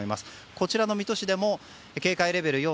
こちらの水戸市でも警戒レベル４。